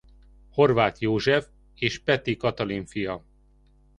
Horváth József és Peti Katalin fia.